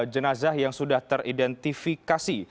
jenazah yang sudah teridentifikasi